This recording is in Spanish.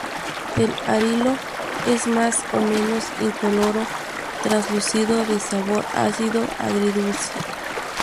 El arilo es más o menos incoloro, translúcido, de sabor ácido o agridulce.